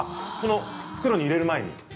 袋に入れる前に。